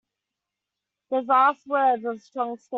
Those last words were a strong statement.